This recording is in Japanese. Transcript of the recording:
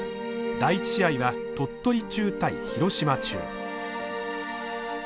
第１試合は鳥取中対廣島中。